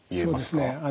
そうですね